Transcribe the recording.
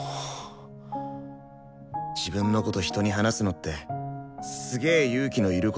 自分のこと人に話すのってすげ勇気の要ることだから。